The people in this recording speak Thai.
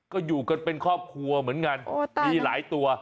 ก็อยู่กันเป็นครอบครัวเหมือนกันมีหลายตัว